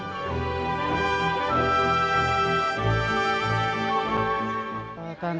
pertuni dan anggota pertuni